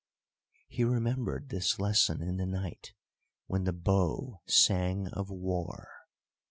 He remembered this lesson in the night when the bow sang of war.